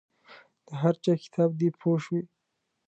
د هر چا کتاب دی پوه شوې!.